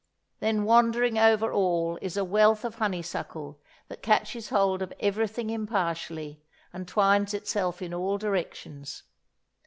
Then wandering over all is a wealth of honeysuckle that catches hold of everything impartially, and twines itself in all directions.